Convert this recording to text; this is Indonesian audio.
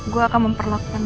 gue akan memperlakukan